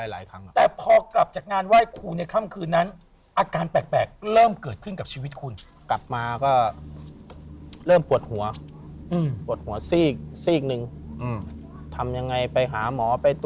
แล้วพอครั้งอันสุดท้ายก็มาเชิญพ่อแก่